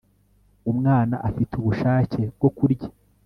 umwana afite ubushake bwo kurya